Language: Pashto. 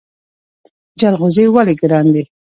جلغوزي ولې ګران دي؟